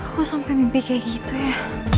aku sampai mimpi kayak gitu ya